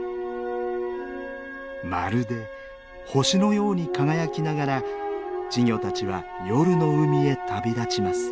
まるで星のように輝きながら稚魚たちは夜の海へ旅立ちます。